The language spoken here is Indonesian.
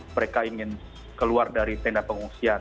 mereka ingin keluar dari tenda pengungsian